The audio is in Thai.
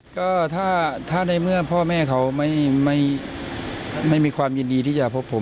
ก็ถ้าในเมื่อพ่อแม่เขาไม่มีความยินดีที่จะพบผม